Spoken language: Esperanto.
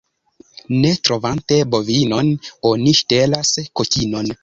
Ne trovante bovinon, oni ŝtelas kokinon.